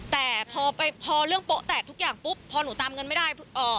แต่พอพอเรื่องโป๊ะแตกทุกอย่างปุ๊บพอหนูตามเงินไม่ได้